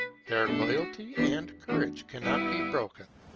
Their loyalty and courage cannot be broken.